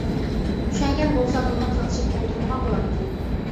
چۈشەنگەن بولسا بۇنداق تالىشىپ ئولتۇرمىغان بولاتتى.